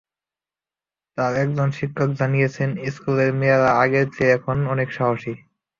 তার একজন শিক্ষক জানিয়েছেন, স্কুলের মেয়েরা আগের চেয়ে এখন অনেক সাহসী।